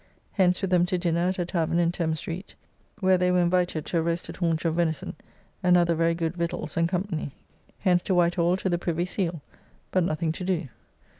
Hence with them to dinner at a tavern in Thames Street, where they were invited to a roasted haunch of venison and other very good victuals and company. Hence to Whitehall to the Privy Seal, but nothing to do.